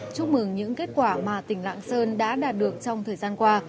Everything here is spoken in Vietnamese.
chúc mừng những kết quả mà tỉnh lạng sơn đã đạt được trong thời gian qua